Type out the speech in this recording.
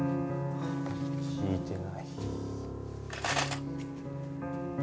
聞いてない。